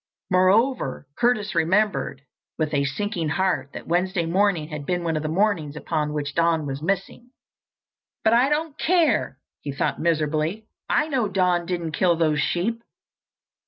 Moreover, Curtis remembered with a sinking heart that Wednesday morning had been one of the mornings upon which Don was missing. "But I don't care!" he thought miserably. "I know Don didn't kill those sheep."